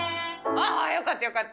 あー、よかった、よかった。